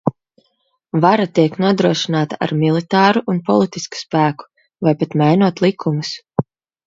Vara tiek nodrošināta ar militāru un politisku spēku, vai pat mainot likumus.